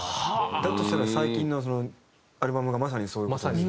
だとしたら最近のアルバムがまさにそういう事ですね。